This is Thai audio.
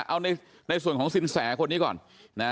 เอาในส่วนของสินแสคนนี้ก่อนนะ